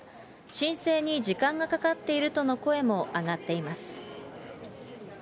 申請に時間がかかっているとの声も上がっています。